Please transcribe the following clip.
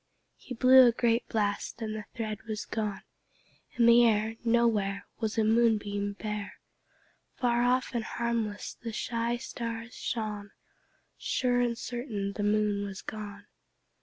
He blew a great blast, and the thread was gone; In the air Nowhere Was a moonbeam bare; Far off and harmless the shy stars shone; Sure and certain the Moon was gone.